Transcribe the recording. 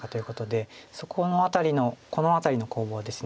そこの辺りのこの辺りの攻防です。